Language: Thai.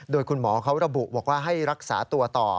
โดยคุณหมอเขาระบุบอกว่าให้รักษาตัวต่อ